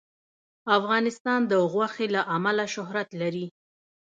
افغانستان د غوښې له امله شهرت لري.